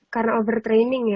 karena overtraining ya